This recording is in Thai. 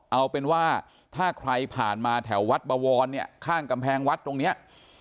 เอาเป็นว่าถ้าใครผ่านมาแถววัดบวรเนี่ยข้างกำแพงวัดตรงเนี้ย